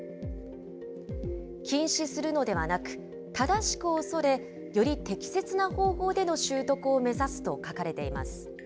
禁止するのではなく、正しく恐れ、より適切な方法での習得を目指すと書かれています。